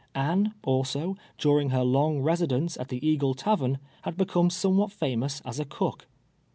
Anne, also, during her long residence at the Eagle Tavern, had Ix'come somewhat famous as a cook.